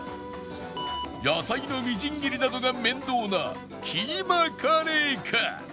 野菜のみじん切りなどが面倒なキーマカレーか？